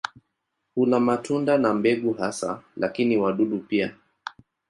Hula matunda na mbegu hasa, lakini wadudu pia.